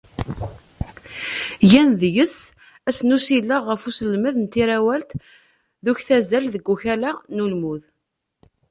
Gan deg-s ass n usileɣ ɣef uselmed n tirawalt d uktazal deg ukala n ulmud.